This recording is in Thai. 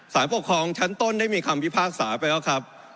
ปกครองชั้นต้นได้มีคำพิพากษาไปแล้วครับ